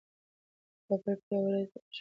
کابل به یوه ورځ ډېر ښکلی شي.